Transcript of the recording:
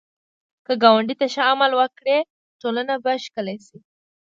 که ګاونډي ته ښه عمل وکړې، ټولنه به ښکلې شي